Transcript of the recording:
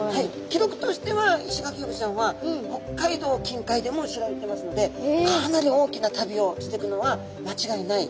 記録としてはイシガキフグちゃんは北海道近海でも知られてますのでかなり大きな旅をしてくのは間違いない。